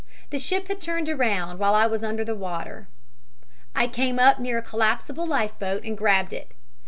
The ship had turned around while I was under the water. "I came up near a collapsible life boat and grabbed it.